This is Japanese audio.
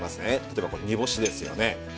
例えば煮干しですよね。